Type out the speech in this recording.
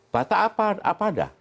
batak apa ada